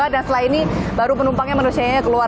dan setelah ini baru penumpangnya menurut saya keluar